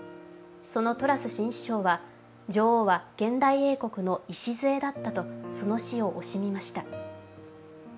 そのトラス新首相は女王は現代英国の礎だったとその死を惜しみました。